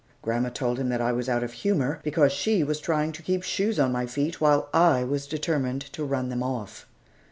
Grandma told him that I was out of humor, because she was trying to keep shoes on my feet, while I was determined to run them off.